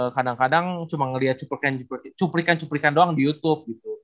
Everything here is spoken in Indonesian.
kadang kadang cuma ngeliat cuplikan cuplikan doang di youtube gitu